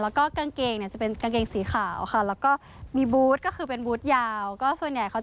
แล้วก็กางเกงจะเป็นกางเกงสีขาวค่ะ